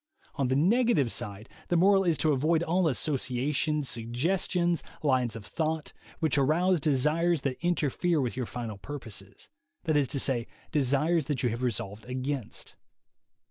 On the negative side, the moral is to avoid all associations, suggestions, lines of thought, which arouse desires that interfere with your final purposes, that is to say, desires that you have resolved against.